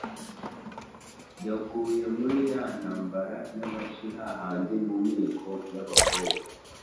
yaguye muri ya ntambara y'Abashi, ha handi Mu Miko y'Abakobwa,